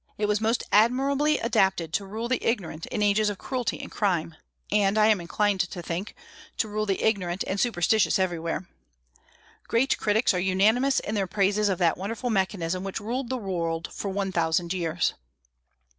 It was most admirably adapted to rule the ignorant in ages of cruelty and crime, and, I am inclined to think, to rule the ignorant and superstitious everywhere. Great critics are unanimous in their praises of that wonderful mechanism which ruled the world for one thousand years.